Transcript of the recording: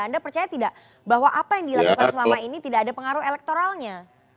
anda percaya tidak bahwa apa yang dilakukan selama ini tidak ada pengaruh elektoralnya